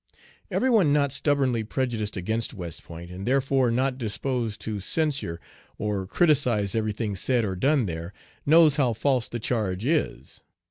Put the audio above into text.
Every one not stubbornly prejudiced against West Point, and therefore not disposed to censure or criticise every thing said or done there, knows how false the charge is.